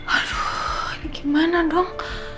aduh ini gimana dong